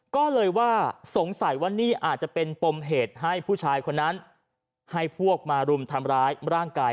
ก็เลยว่าสงสัยว่านี่อาจจะเป็นปมเหตุให้ผู้ชายคนนั้นให้พวกมารุมทำร้ายร่างกาย